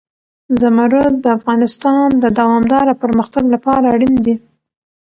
زمرد د افغانستان د دوامداره پرمختګ لپاره اړین دي.